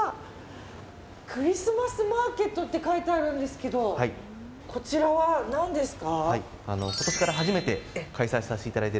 クリスマスマーケットって書いてあるんですけどこちらは何ですか？